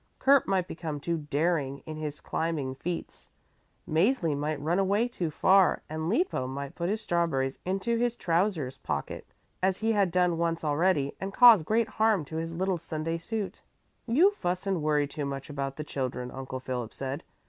Kurt might become too daring in his climbing feats. Mäzli might run away too far and Lippo might put his strawberries into his trousers pocket as he had done once already, and cause great harm to his little Sunday suit. "You fuss and worry too much about the children," Uncle Philip said.